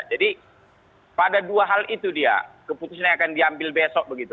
jadi pada dua hal itu dia keputusan yang akan diambil besok begitu